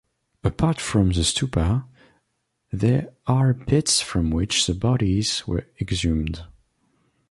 Apart from the stupa, there are pits from which the bodies were exhumed.